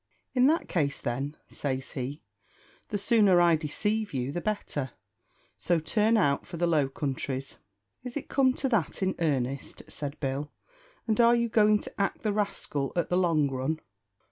"In that case, then," says he, "the sooner I deceive you the better; so turn out for the Low Countries." "Is it come to that in earnest?" said Bill, "and are you going to act the rascal at the long run?"